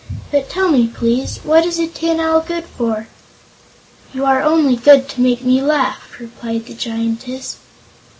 But, tell me, please: what is a Tin Owl good for?" "You are only good to make me laugh," replied the Giantess.